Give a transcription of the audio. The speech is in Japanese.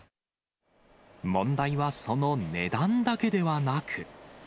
問題はその値段だけではなく。